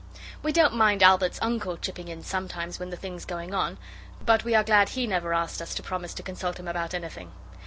We don't mind Albert's uncle chipping in sometimes when the thing's going on, but we are glad he never asked us to promise to consult him about anything.